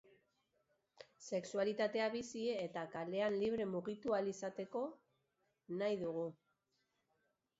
Sexualitatea bizi eta kalean libre mugitu ahal izatea nahi dugu.